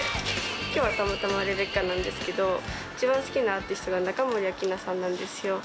きょうはたまたまレベッカなんですけど、一番好きなアーティストが中森明菜さんなんですよ。